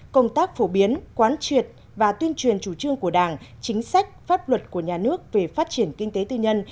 công tác phổ biến quán triệt và tuyên truyền chủ trương của đảng chính sách pháp luật của nhà nước về phát triển kinh tế tư nhân